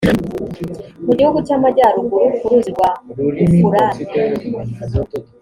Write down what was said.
mu gihugu cy’amajyaruguru ku ruzi rwa ufurate